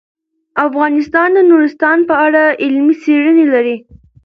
افغانستان د نورستان په اړه علمي څېړنې لري.